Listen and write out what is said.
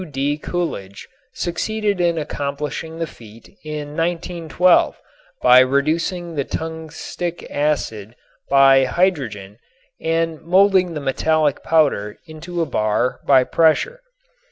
W.D. Coolidge succeeded in accomplishing the feat in 1912 by reducing the tungstic acid by hydrogen and molding the metallic powder into a bar by pressure.